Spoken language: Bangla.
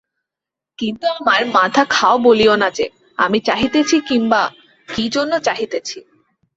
কিন্তু আমার মাথা খাও বলিয়ো না যে, আমি চাহিতেছি কিংবা কী জন্য চাহিতেছি।